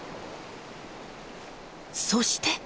そして！